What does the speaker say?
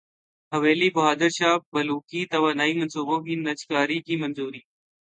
حویلی بہادر شاہ بلوکی توانائی منصوبوں کی نجکاری کی منظوری